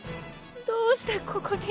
どうしてここに？